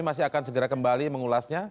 masih akan segera kembali mengulasnya